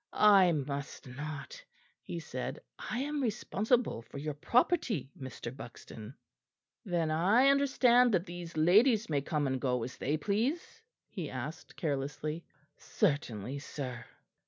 "I must not," he said; "I am responsible for your property, Mr. Buxton." "Then I understand that these ladies may come and go as they please?" he asked carelessly. "Certainly, sir."